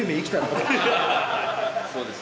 そうですね。